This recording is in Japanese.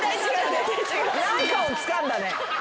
何かをつかんだね。